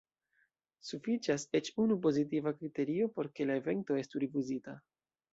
Sufiĉas eĉ unu pozitiva kriterio por ke la evento estu rifuzita.